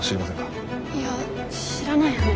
いや知らないよね？